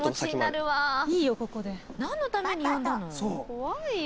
怖いよ！